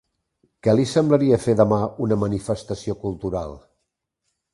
Què li semblaria fer demà una manifestació cultural?